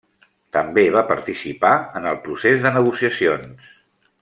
També va participar en el procés de negociacions.